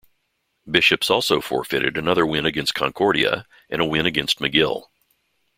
Bishop's also forfeited another win against Concordia and a win against McGill.